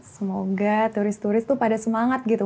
semoga turis turis tuh pada semangat gitu